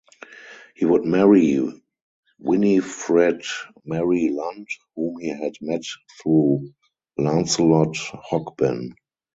He would marry Winifred Mary Lunt whom he had met through Lancelot Hogben.